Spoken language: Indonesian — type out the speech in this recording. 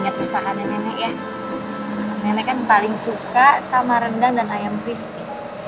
lihat misalkan nenek ya nenek kan paling suka sama rendang dan ayam crispy